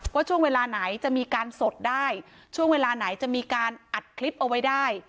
ว่าช่วงเวลาไหนจะมีการสดได้ช่วงเวลาไหนจะมีการอัดคลิปเอาไว้ได้